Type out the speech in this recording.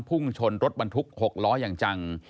พุ่งชนรถบรรทุก๖ล้ออย่างจัง